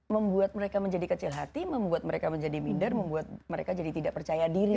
membuat mereka menjadi kecil hati membuat mereka menjadi minder membuat mereka jadi tidak percaya diri